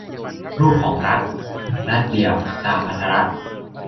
รูปของรัฐ : รัฐเดี่ยว สหพันธรัฐ